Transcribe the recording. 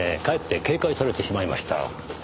かえって警戒されてしまいました。